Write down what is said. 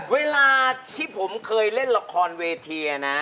เวลาที่ผมเคยเล่นละครเวทีนะ